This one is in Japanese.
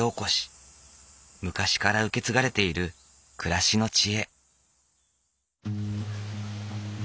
昔から受け継がれている暮らしの知恵。